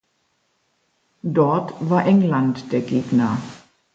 Dort war England der Gegner.